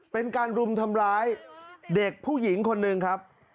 เป็นการรุมทำร้ายเด็กผู้หญิงคนหนึ่งครับ